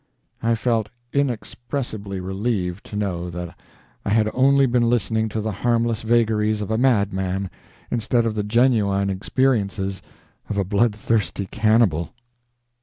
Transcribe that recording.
I felt inexpressibly relieved to know that I had only been listening to the harmless vagaries of a madman instead of the genuine experiences of a bloodthirsty cannibal.